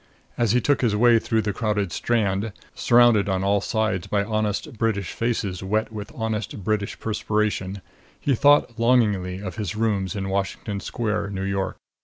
As he took his way through the crowded Strand, surrounded on all sides by honest British faces wet with honest British perspiration he thought longingly of his rooms in Washington Square, New York.